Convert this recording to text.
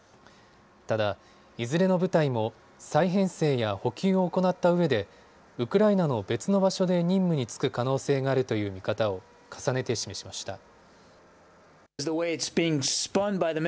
ただ、いずれの部隊も再編成や補給を行ったうえでウクライナの別の場所で任務に就く可能性があるという見方を重ねて示しました。